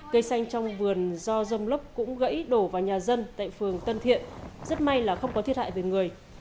cây xanh trong vườn do rông lốc cũng gãy đổ vào nhà dân tại phường tân thiện rất may là không có thiết hại về người